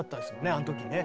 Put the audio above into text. あの時ね。